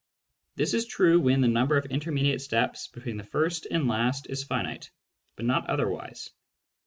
This is true when the number of intermediate steps between first and last is finite, not otherwise.